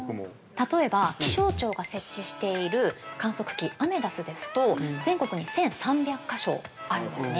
◆例えば、気象庁が設置している観測機、アメダスですと全国に１３００カ所あるんですね。